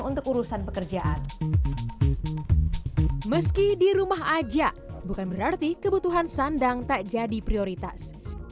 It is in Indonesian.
untuk urusan pekerjaan meski di rumah aja bukan berarti kebutuhan sandang tak jadi prioritas